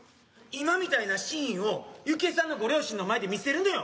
今みたいなシーンを幸恵さんのご両親の前で見せるのよ。